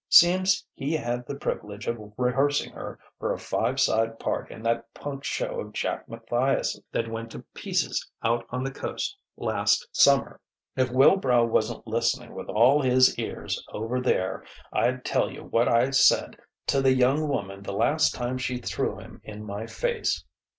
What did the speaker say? Seems he had the privilege of rehearsing her for a five side part in that punk show of Jack Matthias', that went to pieces out on the Coast last Summer. If Wilbrow wasn't listening with all his ears, over there, I'd tell you what I said to the young woman the last time she threw him in my face....